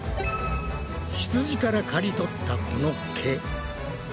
ひつじからかり取ったこの毛。